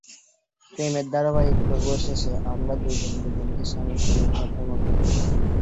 প্রেমের ধারাবাহিক পর্ব শেষে আমরা দুজন দুজনকে স্বামী-স্ত্রীর মতোই মনে করি।